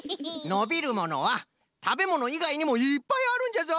のびるものはたべものいがいにもいっぱいあるんじゃぞ！